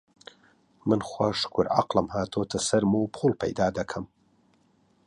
من خوا شوکور عەقڵم هاتۆتە سەرم و پووڵ پەیدا دەکەم